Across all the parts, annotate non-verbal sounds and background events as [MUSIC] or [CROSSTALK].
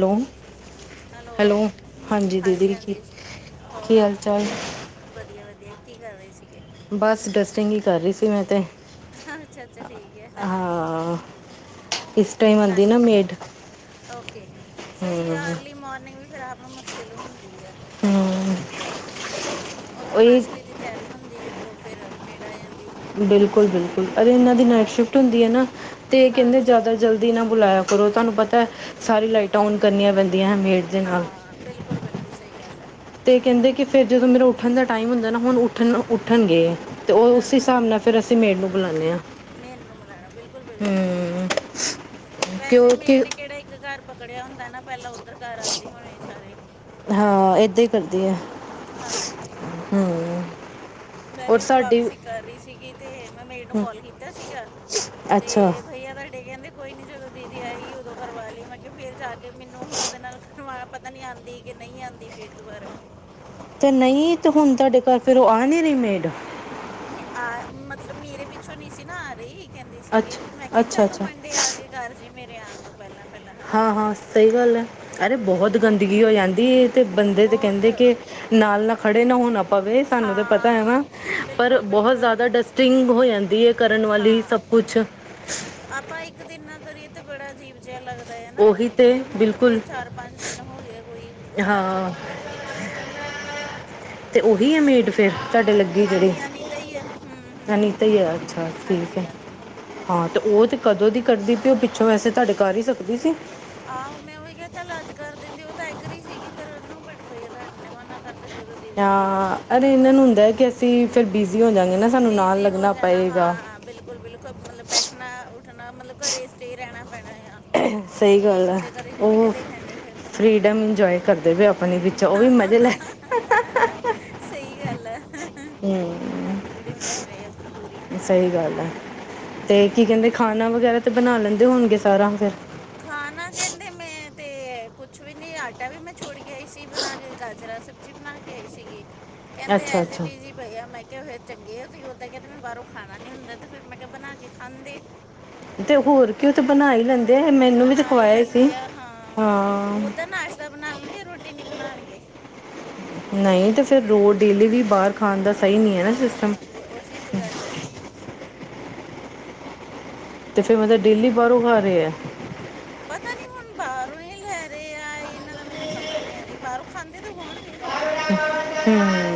Hello. Hello, ਹਾਂਜੀ, ਕੀ ਹਾਂਜੀ ਹੋਰ ਹਾਲ ਚਾਲ ਕੀ ਕਰ? ਵਧੀਆ, ਵਧੀਆ ਕੀ ਕਰਨ ਰਹੇ ਸੀਗੇ। ਬਸ ਡਸਟਿੰਗ ਈ ਕਰ ਰਹੀ ਸੀ ਮੈਂ ਤਾਂ ਅੱਛ, ਅੱਛਾ ਠੀਕ ਐ ਹਾਂ ਇਸ ਟਾਈਮ ਆਉਂਦੀ ਨਾ ਮੇਡ ਓਕੇ ਸੋ ਹਮ ਅਰਲੀ ਮੋਨਿੰਗ ਵੀ ਖ਼ਰਾਬ ਨੂੰ ਮੁਸ਼ਕਿਲ ਹੁੰਦੀ ਆ [UNINTELLIGIBLE] ਹਮ ਉਧਰੋਂ ਉਹੀ ਨਾਸ਼ਤੇ ਦੀ ਤਿਆਰੀ ਹੁੰਦੀ ਉਧਰੋਂ ਫਿਰ ਮੇੜਾ ਜਾਂਦਾ ਬਿਲਕੁਲ-ਬਿਲਕੁਲ ਅਰੇ ਇਹਨਾਂ ਦੀ ਨਾਈਟ ਹਾਂ ਸ਼ਿਫਟ ਹੁੰਦੀ ਐ ਨਾ ਤੇ ਕਹਿੰਦੇ ਹਾਂਜੀ ਜ਼ਿਆਦਾ ਜਲਦੀ ਨਾ ਬੁਲਾਇਆ ਕਰੋ। ਤੁਹਾਨੂੰ ਪਤਾ ਸਾਰੀ ਲਾਈਟਾਂ ਔਨ ਕਰਨੀਆਂ ਪੈਂਦੀਆਂ ਐ ਹਾਂ ਬਿਲਕੁਲ-ਬਿਲਕੁਲ ਸਹੀ ਗੱਲ ਐ। ਤੇ ਕਹਿੰਦੇ ਕਿ ਫਿਰ ਜਦੋਂ ਮੇਰਾ ਉੱਠਣ ਦਾ ਟਾਈਮ ਹੁੰਦਾ ਨਾ ਹੁਣ ਉੱਠਣ ਉੱਠਣਗੇ। ਤੇ ਉਹ ਹਾਂ ਉਸ ਹਿਸਾਬ ਨਾਲ ਫਿਰ ਅਸੀਂ ਮੇਡ ਨੂੰ ਬੁਲਾਦੇ ਆ। ਮੇਨੂੰ ਮਿਲਾਣਾ ਬਿਲਕੁਲ, ਬਿਲਕੁਲ ਸਹੀ ਆ ਹ ਵੈਸੇ ਮੇਡ ਕਿਉਂਕਿ ਨੇ ਕੇੜਾ ਇੱਕ ਘਰ ਪਕੜਿਆ ਹੁੰਦਾ ਨਾ ਪਹਿਲਾਂ ਉੱਧਰ ਘ ਆਉਂਦੀ ਹ ਹੋਣੇ ਸਾਰੇ। ਹਾਂ ਏਦਾਂ ਈ ਕਰਦੀ ਐ। ਹਾਂਜੀ। ਹੂੰ ਮੈਂ ਵੀ ਹੁਣ ਵਾਪਸੀ ਕਰ ਰਹੀ ਸੀਗੀ ਤੇ ਮੈਂ ਮੇਡ ਨੂੰ ਕਾਲ ਕੀਤਾ ਸੀਗਾ। ਅੱਛਾ ਤੇ ਭਈਆ ਤੁਡੇ ਕਹਿੰਦੇ ਕੋਈ ਨੀ ਜਦੋਂ ਦੀਦੀ ਆਏਗੀ ਉਦੋਂ ਕਰਵਾ ਲਈ ਮੈਂ ਕਿਹਾ ਫੇਰ ਜਾ ਕੇ ਮੈਨੂੰ ਹੁਣ ਉਹਦੇ ਨਾਲ ਖਵਾ ਪਤਾ ਨੀ ਆਦੀ ਕਿ ਨਈ ਆਦੀ ਫਿਰ ਦੁਬਾਰਾ। ਤੇ ਨਹੀਂ ਤੇ ਹੁਨ ਤੁਹਾਡੇ ਘਰ ਫਿਰ ਓ ਆ ਨੀ ਰੀਮੇਡ? ਨਈ ਆ ਮਤਲਬ ਮੇਰੇ ਪਿੱਛੋਂ ਨਹੀਂ ਸੀ ਨਾ ਆ ਰਈ। ਕਹਿੰਦੀ ਸੀਗੀ ਮੈਂ ਅੱਛਾ ਕਿਹਾ ਅੱਛਾ ਚੱਲ ਤੂੰ ਅੱਛਾ ਮੰਡੇ ਆ ਕੇ ਕਰ ਜੀ ਮੇਰੇ ਆਣ ਤੋਂ ਪਹਿਲਾਂ। ਪਹਿਲਾਂ ਹਨਾ ਹਾਂ-ਹਾਂ ਸਹੀ ਗੱਲ ਐ, ਅਰੇ ਤੇ ਬਹੁਤ ਉਹ ਗੰਦਗੀ ਹੋ ਜਾਂਦੀ ਤੇ ਬੰਦੇ ਤੇ ਬਹੁਤ ਕਹਿੰਦੇ ਕਿ ਨਾਲ ਨਾ ਖੜੇ ਨਾ ਹੁਣ ਆਪ ਪਵੇ ਸਾਨੂੰ ਤਾਂ ਪਤਾ ਹੈ ਹਾਂ ਨਾ ਪਰ ਬਿਲਕੁਲ ਬਹੁਤ ਬਿਲਕੁਲ ਜ਼ਿਆਦਾ ਡਸਟਿੰਗ ਹੋ ਜਾਂਦੀ ਐ ਕਰਨ ਵਾਲੀ ਹਾਂ ਸਭ ਕੁਛ ਆਪਾਂ ਇੱਕ ਦਿਨ ਨਾ ਕਰੀਏ ਤੇ ਬੜਾ ਅਜੀਬ ਜਿਹਾ ਲੱਗਦਾ ਐ ਨਾ, ਉਹੀ ਤੇ ਹੁਣ ਤਾਂ ਬਿਲਕੁਲ ਫੇਰ ਚਾਰ ਪੰਜ ਦਿਨ ਹੋ ਗਏ ਕੋਈ ਹੱਥ ਹਾਂ ਕੱਪੜਾ ਚ ਕੀਤਾ ਹੈਗਾ ਜੀ। ਤੇ ਓਹੀ ਆ ਮੇਡ ਫਿਰ ਤੁਹਾਡੇ ਲੱਗੇ? ਜਿਹੜੀ ਹਾਂਜੀ ਅਨੀਤਾ ਹੀ ਹੈ ਹੂੰ ਅਨੀਤਾਂ ਈ ਆ, ਅੱਛਾ ਹੂੰ ਠੀਕ ਹਾਂਜੀ ਐ। ਹਾਂਜੀ ਹਾਂ ਤੇ ਓ ਤੇ ਕਦੋਂ ਦੀ ਕਰਦੀ ਪਈ ਉਹ ਪਿੱਛੋਂ ਵੈਸੇ ਤੁਹਾਡੇ ਕਰ ਹੀ ਸਕਦੀ ਸੀ। ਆਹੋ ਮੈਂ ਓਹੀ ਕਿਹਾ ਚੱਲ ਅੱਜ ਕਰ ਦਿੰਦੀ। ਉਹ ਤਾਂ ਐਗਰੀ ਸੀਗੀ ਕਰਨ ਨੂੰ ਬਟ ਬਈ ਮ ਨਾ ਕਰਦੇ ਜਦੋਂ ਦੀਦੀ ਤੇਰੀ ਆਊਗੀ ਉਦੋਂ ਅਰੇ ਕਰਵਾ ਏਨਾਂ ਨੂੰ ਲਈ ਹੁੰਦਾ ਕਿ ਅਸੀਂ ਫਿਰ ਬਿਜ਼ੀ ਹੋ ਜਾਂਵਗੇ ਨਾ ਸਾਨੂੰ ਨਾਲ ਬਿਜ਼ੀ ਹੋ ਲੱਗਣਾ ਜਾਣਾ ਪਏਗਾ। ਹਾਂ ਬਿਲਕੁਲ, ਬਿਲਕੁਲ ਮਤਲਬ ਬੈਠਣਾ-ਉੱਠਣਾ ਮਤਲਬ ਘਰੇ ਸਟੇਅ ਰਹਿਣਾ ਪੈਣਾ ਆ। ਸਹੀ ਇਹ ਗੱਲ ਐ ਬੰਦੇ ਘਰੇ ਕਿ ਉਹ ਟਿਕਦੇ ਹੈ ਨਹੀਂ ਫਰੀ ਟੇਮ ਇੰਜੋਏ ਕਰਦੇ ਵੀ ਆਪ ਆਪਣੇ ਵਿੱਚ ਉਹ ਹਾਂ, ਹਾਂ ਸਹੀ ਗੱਲ ਆ। ਫਰੀਡੀਮ ਲੈ ਰਹੇ ਆਪਣੀ ਪੂਰੀ। ਸਹੀ ਗੱਲ ਹੈ। ਤੇ ਕੀ ਕਹਿੰਦੇ ਖਾਣਾ ਵਗੈਰਾ ਤੇ ਬਣਾ ਲੈਂਦੇ ਹੋਣਗੇ ਸਾਰਾ ਫੇਰ। ਖਾਣਾ ਕਹਿੰਦੇ ਮੈਂ ਤੇ ਕੁਛ ਵੀ ਨੀ। ਆਟਾ ਵੀ ਮੈਂ ਛੋੜ ਕੇਈ ਸੀ ਬਣਾ ਕੇ ਗਾਜਰਾਂ, ਸਬਜ਼ੀ ਨਾਲ ਕਿਹਾਈ ਸੀਗੀ। ਕਹਿੰਦੇ ਅੱਛਾ ਐਜ ਏ ਅੱਛਾ ਡੀ ਜੀ। ਪ ਮੈਂ ਕਿਹਾ ਹੋ ਚੰਗੇ ਆ ਤੁਸੀ। ਉਦਾਂ ਕ ਤੇ ਮੈਂ ਬਾਹਰੋਂ ਖਾਣਾ ਨੀ ਹੁੰਦਾ ਤੇ ਫੇਰ ਮੈਂ ਕਿਹਾ ਬਣਾ ਕੇ ਖਾਂਦੇ। ਤੇ ਹੋਰ ਕਿਉਂ ਥੇ ਬਣਾ ਹੀ ਲੈਂਦੇ। ਆ ਮੈਨੂੰ ਵੀ ਬਣਾ ਤੇ ਹੀ ਖਵਾਇਆ ਸੀ ਲੈਂਦੇ ਆ ਹਾਂ। ਉਹਦਾ ਨਾਸ਼ਤਾ ਬਣਾ ਲਣਗੇ, ਰੋਟੀ ਨੀ ਬਣਾਉਣਗੇ। ਨਹੀਂ ਤੇ ਫਿਰ ਰੋਜ਼ ਡੇਲੀ ਵੀ ਬਾਹਰ ਖਾਣ ਦਾ ਸਹੀ ਨਹੀਂ ਹੈ ਨਾ ਸਿਸਟਮ। ਹਾਂ ਉਹ ਚੀਤ ਗੱਲ ਹੈ। ਤੇ ਹਮ, ਫੇਰ ਮਤਲਬ ਡੇਲੀ ਬਾਹਰੋਂ ਖਾ ਰਹੇ ਆ। ਪਤਾ ਨੀ ਹੁਣ ਬਾਹਰੋਂ ਹੀ ਲੈ ਰਹੇ ਆ, ਇਹਨਾਂ ਦਾ ਮੈਨੂੰ ਸਮਝ ਨਹੀਂ ਆਦੀ ਬਾਹਰੋਂ ਖਾਂਦੇ ਤੇ ਹੋਣਗੇ ਬਾਹਰੋਂ। ਹੂੰ।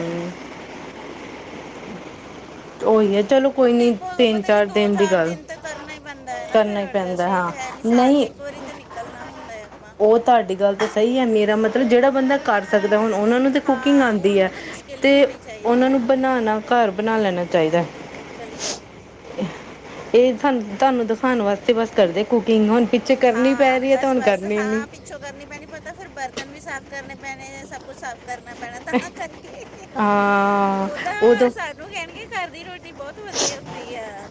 ਉਹੀ ਹੈ ਚਲੋ ਕੋਈ ਹੁਣ ਨੀ ਦੇਖੋ ਤਿੰਨ ਪਤਾ, ਕੀ ਚਾਰ ਦੋ- ਦਿਨ ਦੀ ਚਾਰ ਗੱਲ ਦਿਨ ਤਾਂ ਕਰਨਾ ਹੀ ਪੈਂਦਾ ਹੈ ਨਾ ਕਰਨਾ ਹੀ ਫੇਰ ਪੈਂਦਾ ਅਡਜਸਟ ਹਾਂ ਹੈ। ਸਾਲ ਚ' ਨਹੀਂ ਇੱਕ ਵਾਰੀ ਤੇ ਨਿਕਲਣਾ ਹੁੰਦਾ ਹੈ ਆਪਾਂ। ਉਹ ਤੁਹਾਡੀ ਗੱਲ ਤਾਂ ਸਹੀ ਹੈ, ਮੇਰਾ ਮਤਲਬ ਜਿਹੜਾ ਬੰਦਾ ਕਰ ਸਕਦਾ ਹੁਣ ਉਹਨਾਂ ਨੂੰ ਕੁਕਿੰਗ ਹਾਂ ਆਉਂਦੀ ਹੈ। ਉਹਨੂੰ ਤਾਂ ਮੁਸ਼ਕਿਲ ਤੇ ਨਹੀਂ ਹੋਣੀ ਚਾਹੀਦੀ ਉਹਨਾਂ ਨੂੰ ਹਾਂ ਬਣਾਣਾ ਘਰ ਬਣਾ ਲੈਣਾ ਚਾਹੀਦਾ। ਬਿਲਕੁਲ। ਇਹ ਸਾਨ ਤੁਹਾਨੂੰ ਦਿਖਾਉਣ, ਵਾਸਤੇ ਬਸ ਕਰਦੇ ਕੁਕਿੰਗ ਹੁਣ। ਪਿੱਛੇ ਕਰਨੀ ਪੈ ਰਹੀ ਹੈ ਤਾਂ ਹੁਣ ਕਰਨੀ ਹੀ ਨੀ। ਪੱਛੋਂ ਕਰਨੀ ਪੈਣੀ। ਪਤਾ ਫਿਰ ਬਰਤਨ ਵੀ ਸਾਫ਼ ਕਰਨੇ ਪੈਣੇ। ਸਭ ਕੁੱਛ ਸਾਫ਼ ਕਰਨਾ ਪੈਣਾ। ਤਾਂ ਕਰਕੇ ਹਾਂ ਉਹਦਾ ਉਦੋਂ ਉਹ ਕਹਿਣਗੇ, ਘਰ ਦੀ ਰੋਟੀ ਬਹੁਤ ਵਧੀਆ ਹੁੰਦੀ ਆ।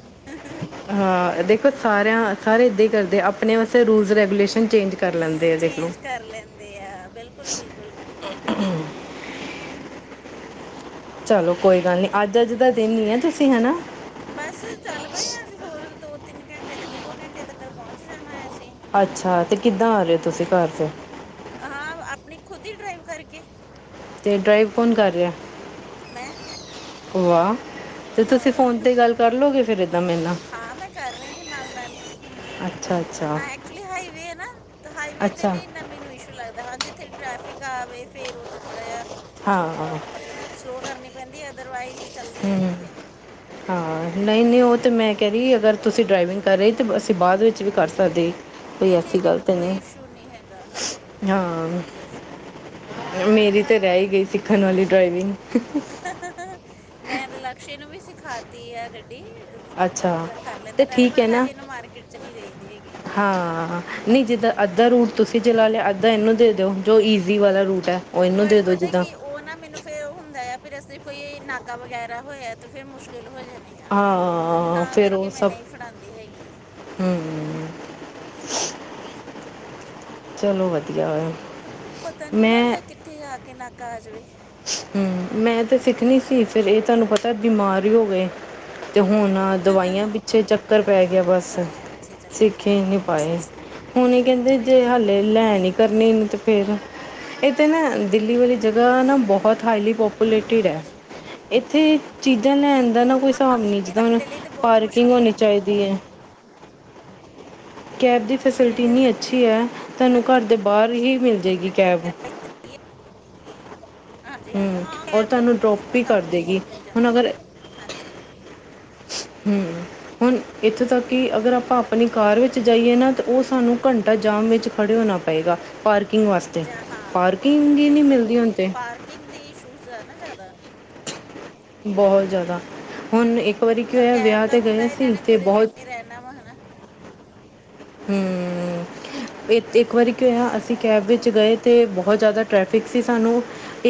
ਹਾਂ। ਦੇਖੋ ਸਾਰਿਆਂ ਸਾਰੇ ਏਦਾਂ ਹੀ ਕਰਦੇ ਆਪਣੇ ਵਾਸਤੇ ਰੂਲਸ ਰੈਗੂਲੇਸ਼ਨ ਚੇਂਜ ਕਰ ਲੈਂਦੇ ਆ ਦੇਖਲੋ ਚੇਂਜ ਕਰ ਲੈਂਦੇ ਆ। ਬਿਲਕੁਲ-ਬਿਲਕੁਲ। ਚਲੋ ਕੋਈ ਗੱਲ ਨਹੀ। ਅੱਜ ਅੱਜ ਦਾ ਦਿਨ ਨ ਹੈ ਤੁਸੀਂ ਹਨਾ। ਬਸ ਚੱਲ ਪਏ ਆ ਅਸੀਂ ਹੋਰ ਦੋ- ਤਿੰਨ ਘੰਟੇ ਤੱਕ। ਦੋ ਘੰਟੇ ਤੱਕ ਪਹੁੰਚ ਜਾਣਾ ਹੈ ਅਸੀਂ। ਅੱਛਾ। ਤੇ ਕਿੱਦਾਂ ਆ ਰਹੇ ਹੋ ਤੁਸੀਂ ਘਰ ਤੇ। ਹਾਂ। ਆਪਣੀ ਖੁਦ ਹੀ ਡਰਾਈਵ ਕਰਕੇ ਤੇ ਡਰਾਈਵ ਕੌਣ ਕਰ ਰਿਹਾ? ਮੈਂ। ਆਹ! ਤੇ ਤੁਸੀਂ ਹਾਂ ਫੋਨ ਤੇ ਗੱਲ ਕਰਲੋਗੇ ਫੇਰ ਏਦਾਂ ਮੇਰੇ ਨਾਲ। ਹਾਂ, ਮੈਂ ਕਰ ਰਹੀ ਹਾਂ ਨਾਲ-ਨਾਲ। ਅੱਛਾ ਅੱਛਾ ਐਕਚੁਲੀ ਹਾਈਵੇ ਹੈ ਨਾ ਹਾਈਵੇ ਤੇ ਅੱਛਾ ਨ ਮੈਨੂੰ ਇਸ਼ੂ ਲੱਗਦਾ ਹਾਂ, ਜਿੱਥੇ ਟ੍ਰੈਫਿਕ ਆਵੇ ਫੇਰ ਉੱਥੇ ਥੋੜਾ ਜਿਹਾ ਹਾਂ ਅਹ ਮਤਲਬ ਸਲੋਅ ਕਰਨੀ ਪੈਂਦੀ ਹੈ। ਅਦਰਵਾਈਜ਼ ਚੱਲਦੀ ਹਮ, ਰਹਿੰਦੀ ਹੈ। ਹਾਂ। ਨਹੀਂ-ਨਹੀਂ ਉਹ ਤਾਂ ਮੈਂ ਕਹਿ ਰਹੀ, ਅਗਰ ਤੁਸੀਂ ਡਰਾਈਵਿੰਗ ਕਰ ਰਹੇ ਤਾਂ ਅਸੀਂ ਬਾਅਦ ਵਿੱਚ ਵੀ ਕਰ ਸਕਦੇ। ਕੋਈ ਨਹੀਂ- ਨਹੀਂ ਐਸੀ ਗੱਲ ਮੈਨੂੰ ਤੇ ਕੋਈ ਨਹੀਂ ਇਸ਼ੂ ਨੀ ਹੈਗਾ ਨਹੀਂ। ਇਦਾਂ ਦਾ ਨਹੀਂ ਹਾਂ। ਚੱਲਦੇ ਹੁੰਦਾ ਹਮ। ਮੇਰੀ ਤਾਂ ਰਹਿ ਹੀ ਗਈ ਸਿੱਖਣ ਵਾਲੀ ਡਰਾਈਵਿੰਗ। ਮੈਂ ਲਕਸ਼ੇ ਨੂੰ ਵੀ ਸਿਖਾਤੀ ਆ ਗੱਡੀ। ਚੰਗਾ ਅੱਛਾ ਮਤਲਬ ਕਰ ਲੈਂਦਾ ਤੇ ਟਨ। ਠੀਕ ਪਰ ਹੈ ਨਾ ਹਜੇ ਇਹਨੂੰ ਮਾਰਕੀਟ ਚ' ਨਹੀਂ ਦੇਦੇ ਹੈਗੇ। ਹਾਂ। ਨਹੀਂ ਜਿੱਦਾਂ ਅੱਧਾ ਰੂਟ ਤੁਸੀਂ ਜੇ ਲਾ ਲਿਆ, ਅੱਧਾ ਇਹਨੂੰ ਦੇ ਦਿਓ ਜੋ ਈਜ਼ੀ ਵਾਲਾ ਰੂਟ ਹੈ। ਉਹ ਇਹਨੂੰ ਦੇ ਬਟ ਦਿਓ ਪਤਾ ਜਿੱਦਾਂ ਕੀ, ਉਹ ਨਾ ਮੈਨੂੰ ਫੇਰ ਉਹ ਹੁੰਦਾ ਆ ਫਿਰ ਅਸੀਂ ਕੋਈ ਨਾਕਾ ਵਗੈਰਾ ਹੋਇਆ, ਤੇ ਫਿਰ ਮੁਸ਼ਕਿਲ ਹੋ ਜਾਣੀ। ਆ ਹਾਂ। ਤਾਂ ਫੇਰ ਉਹ ਕਰਕੇ ਮੈਂ ਸਭ ਨਹੀਂ ਫੜਾਉਂਦੀ ਹੈਗੀ ਹਾਂ ਹੂੰ। ਚਲੋ ਵਧੀਆ ਹੋਇਆ। ਪਤਾ ਨਹੀਂ ਨਾ ਮੈਂ ਹੁੰਦਾ, ਕਿੱਥੇ ਆ ਕੇ ਨਾਕਾ ਆ ਜਾਵੇ। ਹੂੰ ਮੈਂ ਤੇ ਸਿੱਖਣੀ ਸੀ। ਫਿਰ ਇਹ ਤੁਹਾਨੂੰ ਪਤਾ ਬਿਮਾਰ ਹੀ ਹੋ ਗਏ। ਤੇ ਹੁਣ ਦਵਾਈਆਂ ਪਿੱਛੇ ਚੱਕਰ ਪੈ ਗਿਆ। ਬਸ ਦਵਾਈਆਂ ਪਿੱਛੇ ਚੱਕਰ ਸਿੱਖੇ ਹਾਂ ਨੀ ਪਾਏ, ਹੁਣ ਕਹਿੰਦੇ ਜੇ ਉਹੀ ਹਾਲੇ ਲੈ ਨੀ ਕਰਨੀੇ। ਇਹਨੂੰ ਤੇ ਫੇਰ ਇਹ ਤਾਂ ਨਾ ਦਿੱਲੀ ਵਾਲੀ ਜਗ੍ਹਾ ਨਾ ਬਹੁਤ ਹਾਈਲੀ ਪਪੂਲੇਟਿਡ ਹੈ ਇੱਥੇ ਚੀਜ਼ਾਂ ਲੈਣ ਦਾ ਨਾ ਕੋਈ ਹਾਬ ਇਹ ਨਹੀਂ ਜਿੱਦਾ ਹੁਣ ਤੁਹਾਡੇ ਲਈ ਤੇ ਬਹੁਤ ਪਾਰਕਿੰਗ ਮੁਸ਼ਕਿਲ ਹੈ ਹੋਣੀ ਚਾਹੀਦੀ ਹੈ। ਕੈਬ ਦੀ ਫੈਸਿਲਿਟੀ ਇੱਥੇ ਇੰਨੀ ਤਾਂ ਅੱਛੀ ਹੈ, ਤੁਹਾਨੂੰ ਘਰ ਦੇ ਬਾਹਰ ਹੀ ਮਿਲ ਜਾਵੇਗੀ ਕੈਬ। [UNINTELLIGIBLE] ਹਾਂਜੀ-ਹਾਂਜੀ ਹਾਂ, ਔਰ ਕਬ ਡਰੋਪ ਵੀ ਕਰ ਤੁਹਾਨੂੰ ਦੇਗੀ ਮਿਲ ਜਾਂਦੀ ਹਾਂਜੀ। ਹਮ ਹੁਣ ਇੱਥੋਂ ਤੱਕ ਕਿ ਅਗਰ ਆਪਾਂ ਆਪਣੀ ਕਾਰ ਵਿੱਚ ਜਾਈਏ ਨਾ ਤਾਂ ਉਹ ਸਾਨੂੰ ਘੰਟਾ ਜਾਮ ਵਿੱਚ ਖੜੇ ਹੋਣਾ ਪਏਗਾ ਪਰ ਜ ਹਾਂ ਬਿਲਕੁਲ, ਮਿਲਦੀ ਹੁਣ ਬਿਲਕੁਲ ਤਾਂ ਪਾਰਕਿੰਗ ਦੀ ਇਸ਼ੂਜ਼ ਹੈ ਨਾ ਜ਼ਿਆਦਾ, ਹਮ, ਬਹੁਤ ਜ਼ਿਆਦਾ ਹੁਣ ਇੱਕ ਵਾਰੀ ਕੀ ਔਰ ਹੋਇਆ ਵਿਆਹ ਤੇ ਗਏ ਸੀ, ਤੇ ਬਹੁਤ ਨਵਾਂ ਹਣਾ। ਹਮ ਇੱਕ, ਇੱਕ ਹਾਂਜੀ ਵਾਰੀ ਕੀ ਹੋਇਆ ਕੈਬ ਵਿੱਚ ਗਏ ਅਤੇ ਬਹੁਤ ਜ਼ਿਆਦਾ ਟਰੈਫਿਕ ਸੀ ਸਾਨੂੰ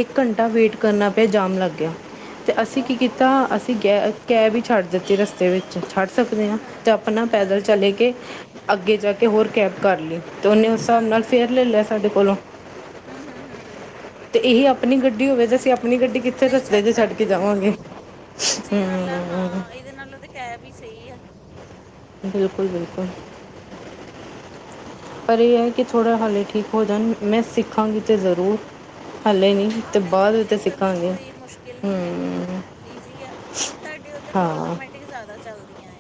ਇੱਕ ਘੰਟਾ ਵੇਟ ਕਰਨਾ ਪਿਆ ਜਾਮ ਲੱਗ ਗਿਆ ਅਸੀਂ ਕੀ ਓਹੋ ਕੀਤਾ ਦੱਸ ਅਸੀਂ ਤੇ ਕ ਕੈਬ ਹੀ ਛੱਡ ਦਿੱਤੀ ਰਸਤੇ ਵਿੱਚ ਛੱਡ ਸਕਦੇ ਹਾਂ ਹਮ ਹਮ ਅਤੇ ਹਮ ਆਪਣਾ ਪੈਦਲ ਹਾਂਜੀ ਚਲ ਕੇ ਅੱਗੇ ਜਾ ਕੇ ਹਮ, ਹੋਰ ਕੈਬ ਕਰ ਲੀ ਤੇ ਉਹਨੇ ਉਸ ਹਿਸਾਬ ਹਾਂ ਨਾਲ ਹਾਂ ਫਿਰ ਲੈ ਲਿਆ ਸਾਡੇ ਕੋਲੋਂ ਹਮ ਹਮ ਹਮ ਤੇ ਇਹੀ ਆਪਣੀ ਗੱਡੀ ਹੋਵੇ ਤੇ ਅਸੀਂ ਆਪਣੀ ਗੱਡੀ ਕਿੱਥੇ ਨਹੀਂ ਰਸਤੇ ਚ ਛੱਡ ਕੇ ਸਕਦੇ ਜਾਵਾਂਗੇ ਸੱਚੀ ਗੱਲ ਆ ਹਮ ਹਾਂ ਇਹਦੇ ਨਾਲੋ ਤੇ ਕੈਬ ਵੀ ਸਹੀ ਹੈ ਬਿਲਕੁਲ, ਬਿਲਕੁਲ ਹਮ। ਪਰ ਇਹ ਹੈ ਕਿ ਥੋੜ੍ਹਾ ਹਾਲੇ ਠੀਕ ਹੋ ਜਾਣ ਮੈਂ ਸਿੱਖਾਂਗੀ ਤਾਂ ਜ਼ਰੂਰ ਹਾਲੇ ਨਹੀਂ ਅਤੇ ਹਾਂ ਨਹੀਂ ਬਾਅਦ ਚਲੋ ਵਿੱਚ ਸਿੱਖਣ 'ਚ ਸਿੱਖਾਂਗੇ ਕੋਈ ਮੁਸ਼ਕਿਲ ਨਹੀਂ ਹੈਗੀ ਹਮ ਈਜ਼ੀ ਐ ਤੁਹਾਡੇ ਉੱਧਰ ਤੋਂ ਹਾਂ ਆਟੋਮੈਟਿਕ ਜ਼ਿਆਦਾ ਚੱਲਦੀਆ ਆ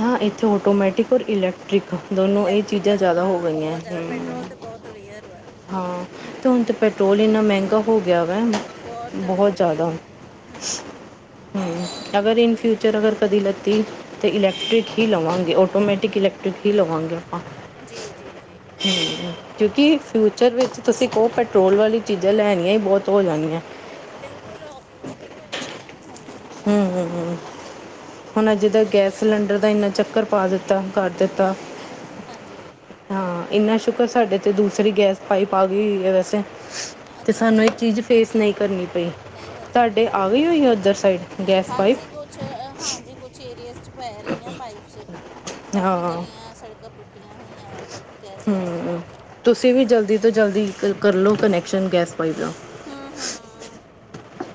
ਹਾਂ ਇੱਥੇ ਆਟੋਮੈਟਿਕ ਔਰ ਇਲੈਕਟ੍ਰਿਕ ਦੋਨੋਂ ਇਹ ਚੀਜ਼ਾਂ ਇਲੈਕਟ੍ਰੀਕਲ ਜ਼ਿਆਦਾ ਹੋ ਹਾਂ ਗਈਆਂ ਬਹੁਤ ਜ਼ਿਆਦਾ ਹਮ ਪੈਟਰੋਲ ਤੇ ਬਹੁਤ ਰੇਅਰ ਵਾ ਹਾਂ ਤੇ ਹੁਣ ਤਾਂ ਪੈਟਰੋਲ ਹਮ, ਇੰਨਾ ਮਹਿੰਗਾ ਹੋ ਗਿਆ ਵਾ ਬਹੁਤ ਹੋਰ ਕੀ ਜ਼ਿਆਦਾ ਹਮ ਹਮ ਅਗਰ ਇਨ ਫਿਊਚਰ ਅਗਰ ਕਦੀ ਲੱਤੀ ਤੇ ਇਲੈਕਟ੍ਰਿਕ ਹੀ ਲਵਾਂਗੇ ਆਟੋਮੈਟਿਕ ਇਲੈਕਟ੍ਰਿਕ ਹੀ ਲਵਾਂਗੇ ਆਪਾਂ ਜੀ, ਜੀ, ਜੀ ਕਿਉਂਕਿ ਫਿਊਚਰ ਵਿੱਚ ਤੁਸੀਂ ਕਹੋ ਪੈਟਰੋਲ ਵਾਲੀ ਚੀਜ਼ਾਂ ਲੈਣੀਆਂ ਹੀ ਬਹੁਤ ਹੋ ਜਾਣੀਆਂ ਬਿਲਕੁਲ ਔ ਮੁਸ਼ਕਿਲ ਹੋ ਜਾਣੀ ਆ ਹਮ ਹਮ, ਹਮ, ਹਮ ਹੁਣ ਅਜ ਦਾ ਗੈਸ ਸਿਲੰਡਰ ਦਾ ਇੰਨਾ ਚੱਕਰ ਪਾ ਦਿੱਤਾ ਕਰ ਦਿੱਤਾ ਹਾਂਜੀ ਹਾਂ ਇੰਨਾ ਸ਼ੁਕਰ ਸਾਡੇ ਤੇ ਦੂਸਰੀ ਗੈਸ ਪਾਈਪ ਆ ਗਈ ਹੈ ਵੈਸੇ ਤੇ ਅੱਛਾ ਸਾਨੂੰ ਇਹ ਅੱਛਾ ਚੀਜ਼ ਫੇਸ ਨਹੀਂ ਕਰਨੀ ਪਈ ਨਹੀਂ ਕਰਨੀ ਤੁਹਾਡੇ ਆ ਪਏਗੀ ਗਈ ਹੋਈ ਹੈ ਉੱਧਰ ਸਾਈਡ ਗੈਸ ਹਾਂਜੀ ਪਾਈਪ ਕੁਛ ਹਾਂਜੀ ਕੁਛ ਏਰੀਏਜ਼ ਚ ਪੈ ਰਹੀਆਂ ਪਾਈਪਸ ਕਾਫੀ ਹਾਂ ਗਲੀਆਂ ਸੜਕਾਂ ਪੁੱਟੀਆਂ ਹੋਈਆਂ ਵਾ ਪਰ ਗੈਸ ਪਾਈਪ ਹੂੰ ਕਰਕੇ ਤੁਸੀਂ ਵੀ ਜਲਦੀ ਤੋਂ ਜਲਦੀ ਕਰ ਲਓ ਕਨੈਕਸ਼ਨ ਗੈਸ ਪਾਈਪ ਦਾ ਹੂੰ ਹੂੰ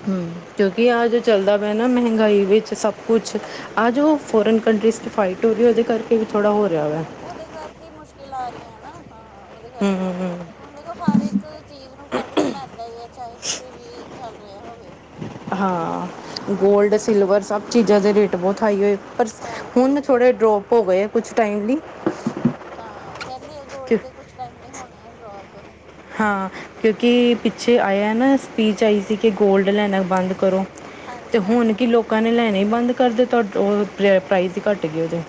ਹਮ ਕਿਉਂਕਿ ਉਹੀ ਆਹ ਜੋ ਚੀਜ਼ ਆ ਚੱਲਦਾ ਪਿਆ ਨਾ ਮਹਿੰਗਾਈ ਵਿੱਚ ਸਭ ਕੁਛ ਆਹ ਜੋ ਹਾਂ ਫੋਰਨ ਕੰਟਰੀਜ਼ 'ਚ ਫਾਈਟ ਹੋ ਰਹੀ ਉਹਦੇ ਕਰਕੇ ਵੀ ਥੋੜ੍ਹਾ ਹੋ ਰਿਹਾ ਵਾ ਉਹਦੇ ਕਰਕੇ ਮੁਸ਼ਕਿਲ ਆ ਰਹੀਆਂ ਨਾ ਹਾਂ ਉਹਦੇ ਹੂੰ ਕਰਕੇ ਹੂੰ ਹੂੰ ਹੁਣ ਦੇਖੋ ਸਾਰੇ ਚੀਜ਼ ਨੂੰ ਫ਼ਰਕ ਤਾਂ ਪੈਂਦਾ ਹੀ ਹੈ ਚਾਹੇ ਕਿਤੇ ਵੀ ਚੱਲ ਰਿਹਾ ਹੋਵੇ ਹਾਂ ਕੰਮ ਗੋਲਡ ਸਿਲਵਰ ਸਭ ਚੀਜ਼ਾਂ ਦੇ ਰੇਟ ਬਹੁਤ ਹਾਈ ਹੋਏ ਪਰ ਹਾਈ ਹੋਏ ਹੁਣ ਪਏ ਆ, ਥੋੜ੍ਹੇ ਹਾਂ ਡਰੋਪ ਹੋ ਗਏ ਕੁਛ ਟਾਈਮ ਲਈ ਹਾਂ ਕਹਿੰਦੇ ਆ ਗੋਲਡ ਕਿਉਂ ਦੇ ਕੁਛ ਟਾਈਮ ਲਈ ਹੋਣੇ ਆ ਡਰੋਪ ਹਾਂ ਕਿਉਂਕਿ ਪਿੱਛੇ ਆਇਆ ਨਾ ਸਪੀਚ ਆਈ ਸੀ ਕਿ ਗੋਲਡ ਲੈਨਾ ਬੰਦ ਕਰੋ ਤੇ ਹਾਂਜੀ ਹੁਣ ਹਾਂਜੀ ਕੀ ਲੋਕਾਂ ਨੇ ਲੈਣੇ ਹੀ ਬੰਦ ਕਰ ਦਿੱਤਾ ਗੋਲਡ ਉਹ ਪ੍ਰਾਈਜ਼ ਹੀ ਘੱਟ ਗਏ ਉਹਦੇ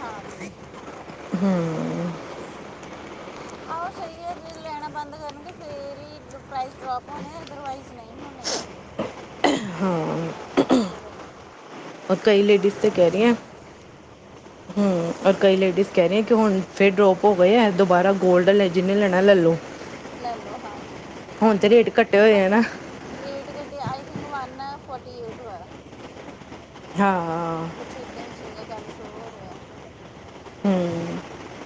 ਹਾਂਜੀ [UNINTELLIGIBLE] ਹਮ ਆਹੋ ਸਹੀ ਹੈ ਜੇ ਲੈਣਾ ਬੰਦ ਕਰਨਗੇ ਫੇਰ ਹੀ ਪ੍ਰਾਈਜ਼ ਡਰੋਪ ਹੋਣੇ ਅਦਰਵਾਈਜ਼ ਨਹੀਂ ਹੋਣੇ ਹੈਗੇ ਹਾਂ ਮੈ ਫਿਰ ਕਿਹਾ [UNINTELLIGIBLE] ਔਰ ਕਈ ਲੇਡੀਜ਼ ਤਾਂ ਕਹਿ ਰਹੀ ਐ ਹ ਔਰ ਹੂੰ ਕਈ ਲੇਡੀਜ਼ ਕਹਿ ਰਹੀ ਹੈ ਕਿ ਹੁਣ ਫੇਰ ਡਰੋਪ ਹੋ ਗਏ ਐ ਦੁਬਾਰਾ ਗੋਲਡ ਜਿਹਨੇ ਲੈਣਾ ਲੈ ਲਉ ਲੈ ਲਓ ਹਾਂਜੀ ਹੁਣ ਤੇ ਰੇਟ ਘੱਟੇ ਹੋਏ ਐ ਬਟ ਨਾ ਰੇਟ ਘੱਟਿਆ I think one forty eight ਹਾਂ ਕੁਛ ਏਦਾਂ ਹੀ ਸੀਗਾ ਕਲ ਸ਼ੋ ਹੋ ਰਿਹਾ ਹਮ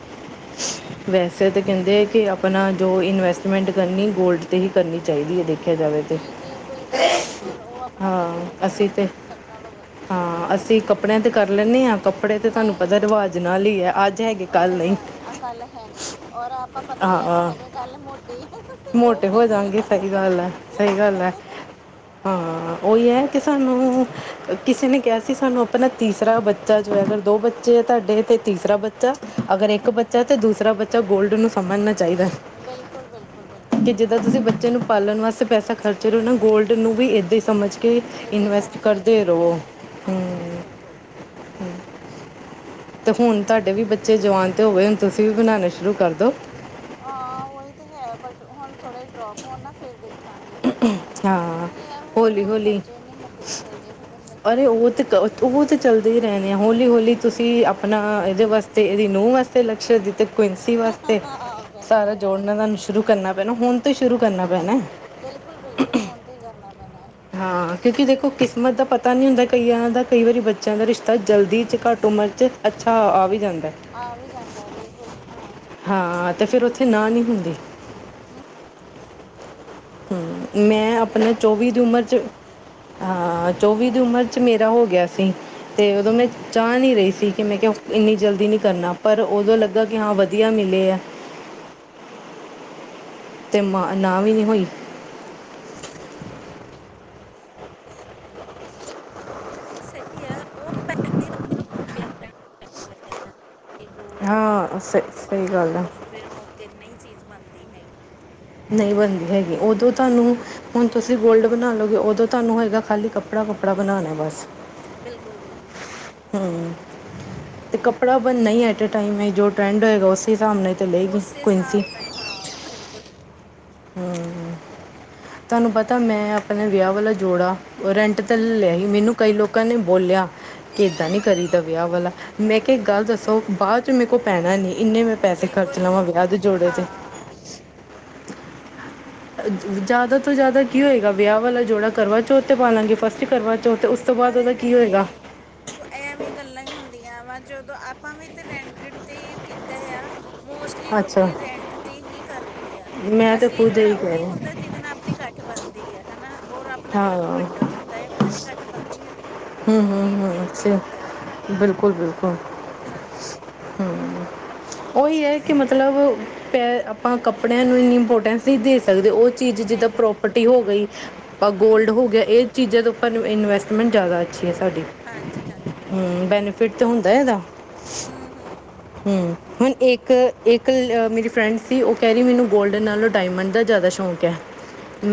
[UNINTELLIGIBLE] ਵੈਸੇ ਤਾਂ ਕਹਿੰਦੇ ਕਿ ਆਪਣਾ ਜੋ ਇਨਵੈਸਟਮੈਂਟ ਕਰਨੀ ਗੋਲਡ ਤੇ ਹੀ ਕਰਨੀ ਚਾਹੀਦੀ। ਦੇਖਿਆ ਜਾਵੇ ਤੇ ਜੀ ਜੀ ਬਿਲਕੁਲ ਬਿਲਕੁਲ ਉਹ ਆਪਣਾ ਤੀਜਾ ਹਾਂ ਬੱਚਾ ਅਸੀਂ ਤੇ ਹੈ ਸਭ ਨਾਲੋਂ ਵਧੀਆ ਹਾਂ ਅਸੀਂ ਕੱਪੜਿਆਂ ਤੇ ਕਰ ਲੈਂਨੇ ਹਾਂ ਕੱਪੜੇ ਤੇ ਤੁਹਾਨੂੰ ਨਹੀਂ ਪਤਾ ਰਿਵਾਜ਼ ਨਾਲ ਹੈ ਅੱਜ ਹੈਗੇ ਕੱਲ ਨਹੀਂ ਆਹ ਕੱਲ ਹੈਨੀ ਔਰ ਆਪਾਂ ਹਾਂ ਪਤਲਿਆਂ ਚ ਹਾਂ ਹੈਗੇ ਕਲ ਮੋਟੇ ਉਹ ਮੋਟੇ ਫੇਰ ਹੋ ਨਹੀਂ ਜਾਂਗੇ ਸਹੀ ਗੱਲ ਹੈ ਸਹੀ ਗੱਲ ਐ ਹਾਂ ਆਹ, ਉਹੀ ਹੈ ਕਿ ਸਾਨੂੰ ਕਿਸੇ ਨੇ ਕਿਹਾ ਸੀ ਸਾਨੂੰ ਆਪਣਾ ਤੀਸਰਾ ਬੱਚਾ ਜੋ ਹੈ ਅਗਰ ਦੋ ਬੱਚੇ ਆ ਤੁਹਾਡੇ ਤੇ ਤੀਸਰਾ ਬੱਚਾ ਅਗਰ ਇੱਕ ਹਮ ਹਮ ਬੱਚਾ ਤੇ ਦੂਸਰਾ ਬੱਚਾ ਗੋਲਡ ਨੂੰ ਸਮਝਣਾ ਚਾਹੀਦੈ ਬਿਲਕੁਲ ਬਿਲਕੁਲ ਬਿਲਕੁਲ ਕਿ ਜਿੱਦੋ ਹਾਂ ਤੁਸੀਂ ਬੱਚੇ ਨੂੰ ਪਾਲਣ ਵਾਸਤੇ ਪੈਸਾ ਖਰਚਰੇ ਹੋ ਨਾ ਗੋਲਡ ਨੂੰ ਵੀ ਇੱਦਾਂ ਹੀ ਸਮਝ ਕਿ ਇਦਾਂ ਹੀ ਇਨਵੈਸਟ ਸਮਝ ਕੇ ਕਰਦੇ ਚੱਲੋ ਰਓ ਹ ਹਾਂਜੀ ਬਿਲਕੁਲ ਤੇ ਹੁਣ ਤੁਹਾਡੇ ਵੀ ਬੱਚੇ ਜਵਾਨ ਤੇ ਹੋ ਗਏ ਹੁਣ ਤੁਸੀਂ ਵੀ ਬਣਾਣੇ ਸ਼ੁਰੂ ਕਰਦੋ ਹਾਂ ਉਹੀ ਤੇ ਹੈ ਬਟ ਹੁਣ ਥੋੜ੍ਹਾ ਜ ਡਰੋਪ ਹੋਣ ਨਾ ਫੇਰ ਦੇਖਾਂਗੇ ਹਾਂ ਅਰੇ ਯਾਰ ਹੋਰ ਹੌਲੀ ਹੋਰ ਹੌਲੀ ਖਰਚੇ ਨਹੀਂ ਮੁੱਕਦੇ ਹੈਗੇ ਫੇਰ ਬੰਦਾ ਕੀ ਅਰੇ ਕਰੇ ਉਹ ਤੇ ਕ ਉਹ ਤਾਂ ਚੱਲਦੇ ਹੀ ਰਹਿਣੇ ਆ ਹੌਲੀ ਹੌਲੀ ਤੁਸੀਂ ਆਪਣਾ ਇਹਦੇ ਵਾਸਤੇ ਇਹਦੀ ਨੂੰਹ ਵਾਸਤੇ ਲੱਕਸ਼ ਦਿੱਤੇ ਕੁਇਸੀ ਵਾਸਤੇ ਪਹਿਲਾਂ ਸਾਰਾ ਤੇ ਹਾਂ ਜੋੜਨਾ ਤੁ ਸ਼ੁਰੂ ਕਰਨਾ ਪੈਣਾ ਹੁਣ ਤੋਂ ਸ਼ੁਰੂ ਕਰਨਾ ਪੈਣਾ ਬਿਲਕੁਲ ਬਿਲਕੁਲ ਹੁਣ ਤੋਂ ਹੀ ਕਰਨਾ ਪੈਣੈ। ਹਾਂ ਕਿਉਂਕਿ ਦੇਖੋ ਕਿਸਮਤ ਦਾ ਪਤਾ ਨਹੀਂ ਹੁੰਦਾ ਕਈਆਂ ਦਾ ਕਈ ਵਾਰੀ ਬੱਚਿਆਂ ਦਾ ਰਿਸ਼ਤਾ ਜਲਦੀ ਚ ਘੱਟ ਉਮਰ ਚ ਅੱਛਾ ਆ ਵੀ ਜਾਂਦਾ ਆ ਵੀ ਜਾਂਦੈ ਬਿਲਕੁਲ ਹਾਂ ਹਾਂ ਤੇ ਫੇਰ ਉੱਥੇ ਨਾ ਨਹੀਂ ਹੁੰਦੀ ਅਮ [UNINTELLIGIBLE] ਹ ਮੈਂ ਬਾਕੀ ਆਪਣੇ ਚੌਵੀ ਸੰਜੋਗ ਦੀ ਉਮਰ ਜਦੋਂ 'ਚ ਹਾਂ ਚੌਵੀ ਦੀ ਉਮਰ ਚ ਮੇਰਾ ਹੋ ਗਿਆ ਸੀ ਤੇ ਉਦੋਂ ਮੈਂ ਚਾਅ ਨੀ ਰਹੀ ਸੀ ਕਿ ਮੈਂ ਕਿਹਾ ਇੰਨੀ ਜਲਦੀ ਨੀ ਕਰਨਾ ਪਰ ਉਦੋਂ ਲੱਗਾ ਕਿ ਹਾਂ ਵਧ ਵਧੀਆ ਮਿਲੇ ਆ ਤੇ ਮਾਂ ਨਾ ਵੀ ਨਹੀਂ ਹੋਈ ਸਹੀ ਹੈ ਉਹ ਤਾਂ ਪੈ ਬੰਦੇ ਨੂੰ ਗੋਲਡ ਕਿ ਹਾਂ ਸ ਕੱਪੜਾ ਵਗੈਰਾ ਸਹੀ ਸਭ ਗੱਲ ਆ ਕੁਛ ਫੇਰ ਮੌਕੇ ਤੇ ਨਹੀਂ ਚੀਜ਼ ਬਣਦੀ ਹੈਗੀ ਨਹੀਂ ਬਣਦੀ ਹੈਗੀ ਉਦੋਂ ਤੁਹਾਨੂੰ ਹੂੰ ਹੁਣ ਤੁਸੀਂ ਗੋਲਡ ਬਣਾ ਲਓਗੇ ਉਦੋਂ ਤੁਹਾਨੂੰ ਹੋਏਗਾ ਖਾਲੀ ਕੱਪੜਾ ਕੁੱਪੜਾ ਬਣਾਣੈ ਬਸ ਬਿਲਕੁਲ ਬਿਲਕੁਲ ਹੂੰ। ਹਮ ਤੇ ਕੱਪੜਾ ਬਨਣਾ ਹੀ ਐਟੇ ਟਾਈਮ ਏ ਜੋ ਟਰੈਂਡ ਹੋਏਗਾ ਉਸ ਹਿਸਾਬ ਨਾਲ ਤਾਂ ਲਏਗੀ ਉਸੇ ਕੁਇਨਸੀ ਹਿਸਾਬ ਨਾਲ ਹੀ ਹਾਂ ਬਿਲਕੁਲ ਹਮ ਤੁਹਾਨੂੰ ਪਤਾ ਮੈਂ ਆਪਣੇ ਵਿਆਹ ਵਾਲਾ ਜੋੜਾ ਰੈਂਟ ਤੇ ਹੂੰ ਲਿਆ ਹੂੰ ਸੀ ਮੈਨੂੰ ਕਈ ਲੋਕਾਂ ਨੇ ਬੋਲਿਆ। ਕਿ ਇੱਦਾਂ ਹਾਂ ਨੀ ਹਾਂ ਕਰੀਦਾ। ਵਿਆਹ ਵਾਲਾ ਮੈਂ ਕਿਹਾ, ਇੱਕ ਗੱਲ ਦੱਸੋ, ਬਾਅਦ ਚ' ਮੇਰੇ ਕੋਲ ਪੈਣਾ ਨੀ। ਇੰਨੇ ਮੈਂ ਪੈਸੇ ਖਰਚ ਬਿਲਕੁਲ ਲਾਵਾਂ ਵਿਆਹ ਦੇ ਜੋੜੇ ਤੇ। ਹਾਂ ਜ਼ਿਆਦਾ ਤੋਂ ਜ਼ਿਆਦਾ ਕੀ ਹੋਏਗਾ ਵਿਆਹ ਵਾਲਾ ਜੋੜਾ ਕਰਵਾ ਚੌਥ ਤੇ ਪਾਲਾਂਗੇ ਫਸਟ ਕਰਵਾ ਚੌਥ। ਉਸ ਤੋਂ ਬਾਅਦ ਉਹਦਾ ਕੀ ਹੋਏਗਾ। ਐ ਵੀਂ ਗੱਲਾਂ ਹੀ ਹੁੰਦੀਆਂ ਵਾ। ਜਦੋਂ ਆਪਾਂ ਵੀਥ ਰੈਂਟ ਤੇ ਕੀਤਾ ਆ। ਮੋਸਟਲੀ ਲੋਕ ਅੱਛਾ ਰੈਂਟ ਤੇ ਹੀ ਕਰਦੇ ਆ। ਮੈਂ ਤਾਂ ਅਸਲੀ ਖੁਦ ਜੋੜਾ ਇਹੀ ਕਹਿ ਉਹੀ ਰਹੀ ਹੁੰਦਾ ਜਿਹਦੇ ਨਾਲ ਆਪਣੀ ਇਕੱਠ ਬਣਦੀ ਹੈ ਹਨਾ। ਰ ਆਪਣਾ ਜਿਹੜਾ ਹਾਂ ਦੁਪੱਟਾ ਹੁੰਦਾ ਹੈ ਉਹਦਾ ਨ ਇਕੱਠ ਬਣਨਦੀ ਹੈ ਆਪਣੀ। ਹਮ- ਮੇਨ ਹਮ ਤੇ ਉਹੀ -ਹਮ ਹੁੰਦਾ ਹੈ। ਬਿਲਕੁਲ- ਬਿਲਕੁਲ ਹਾਂਜੀ ਹਮ। ਉਹੀ ਐ ਕਿ ਮਤਲਬ ਪੈ ਆਪਾਂ ਕੱਪੜਿਆਂ ਨੂੰ ਇੰਨੀ ਇੰਪੋਟੈਂਸ ਨਹੀਂ ਦੇ ਸਕਦੇ। ਉਹ ਚੀਜ ਜਿਦਾਂ ਨਹੀਂ ਹੂੰ ਪ੍ਰੋਰਪਟੀ ਹੋ ਗਈ, ਗੋਲਡ ਹੋ ਹੂੰ ਗਿਆ। ਇਹ ਹੂੰ। ਚੀਜਾਂ ਦੇ ਉਪਰ ਇਨਵੈਸਟਮੈਂਟ ਜਾਦਾ ਅੱਛੀ ਹੈ ਸਾਡੀ। ਹਾਂਜੀ- ਹਾਂਜੀ। ਹਮ। ਬੈਨੀਫਿਟ ਤੇ ਹੁੰਦਾ ਇਹਦਾ। ਹਾਂ [INAUDIBLE] ਹਮਮ, ਹੁਣ ਇੱਕ ਇੱਕ ਮੇਰੀ ਫਰੈਂਡ ਸੀ ਉਹ ਕੈ ਰੀ ਮੈਨੂੰ ਗੋਲਡ ਨਾਲੋਂ ਡਾਇਮੰਡ ਦਾ ਜਾਦਾ ਹੁ ਗਿਆ।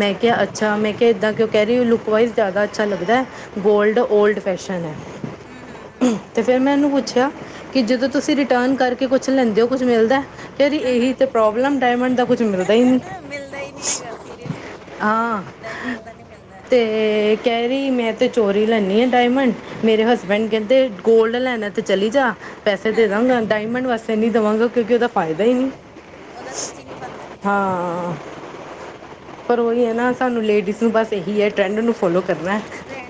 ਮੈਂ ਕਿਹਾ, ਅੱਛਾ, ਮੈਂ ਕਿਹਾ, ਇੱਦਾਂ ਕੇੳ ਕਹਿ ਰਹੀ ਲੁੱਕ ਵਇਜ ਜਾਦਾ ਅੱਛਾ ਲੱਗਦਾ ਐ ਗੋਲਡ। ਓਲਡ ਫੈਸ਼ਨ ਐ। ਹੂੰ ਹੂੰ ਹੂੰ ਹਮ ਹੂੰ ਤੇ ਫਿਰ ਮੈਂ ਇਹਨੂੰ ਪੁੱਛਿਆ। ਕਿ ਜਦੋਂ ਹੂੰ ਤੁਸੀਂ ਹੂੰ ਰਿਟਰਨ ਕਰਕੇ ਕੁਛ ਲੈਂਦੇ ਹੋ ਕੁਛ ਮਿਲਦਾ। ਘੇਦੀ ਹਾਂ ਇਹੀ ਹਾਂ ਤੇ ਪ੍ਰੋਬਲਮ ਡਾਇਮੰਡ ਦਾ ਕੁਛ ਮਿਲਦਾ ਨਹੀਂ। ਹੀ ਮਿਲਦਾ ਹੀ ਨਹੀਂ ਹੈਗਾ ਸੀਰੀਅਸਲੀ। ਹਾਂ ਡਾਇਮੰਡ ਦਾ ਨਹੀਂ ਮਿਲਦਾ। ਤੇ ਕੇਰੀ ਮੈਂ ਤੇ ਚੋਰੀ ਲਏ ਨੀ ਘਾ ਡਾਇਮੰਡ। ਮੇਰੇ ਹਮ, ਹਸਬੈਂਡ ਕਹਿੰਦੇ ਗੋਲਡ ਲੈਣਾ ਤੇ ਚਲੀ ਜਾ ਪੈਸੇ ਹਾਂ ਦੇਦਾਗਾ। ਡਾਇਮੰਡ ਵਾਸਤੇ ਨਹੀਂ ਦੇਵਾਂਗਾ। ਕਿਉਂਕਿ ਉਦਾ ਫਾਇਦਾ ਹੀ ਨਹੀਂ। ਉਹਦਾ ਸੱਚੀ ਨਹੀਂ ਬਣਦਾ ਕੁਝ ਵੀ ਹਾਂ। ਪਰ ਉਹੀ ਹੈ ਨਾ ਸਾਨੂੰ ਲੇਡੀਜ਼ ਨੂੰ ਬਸ ਇਹੀ ਹੈ ਟਰੈਂਡ ਨੂੰ ਫੋਲੋ ਕਰਨਾ ਐ। ਟੈਂਡ।